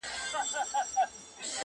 د ورورولۍ په معنا _